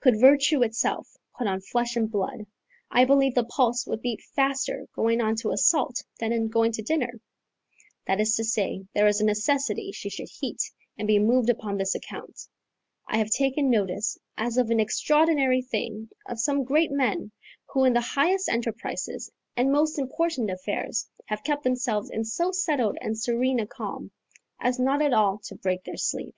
Could virtue itself put on flesh and blood, I believe the pulse would beat faster going on to assault than in going to dinner: that is to say, there is a necessity she should heat and be moved upon this account. I have taken notice, as of an extraordinary thing, of some great men, who in the highest enterprises and most important affairs have kept themselves in so settled and serene a calm, as not at all to break their sleep.